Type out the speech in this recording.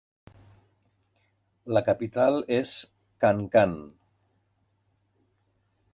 La capital és Kankan.